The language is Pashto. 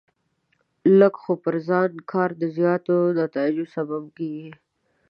لږ خو پر ځای کار د زیاتو نتایجو سبب کېږي.